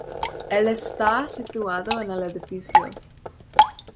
El está situado en el edificio.